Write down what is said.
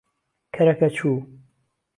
کەرەکە چوو.